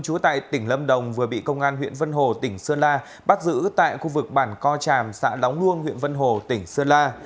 chú tại tỉnh lâm đồng vừa bị công an huyện vân hồ tỉnh sơn la bắt giữ tại khu vực bản co tràm xã lóng luông huyện vân hồ tỉnh sơn la